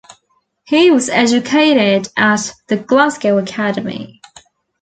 He was educated at The Glasgow Academy.